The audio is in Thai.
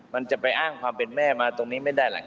มันจะไปอ้างความเป็นแม่มาตรงนี้ไม่ได้หลัง